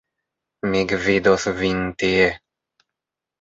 Mi gvidos vin tie.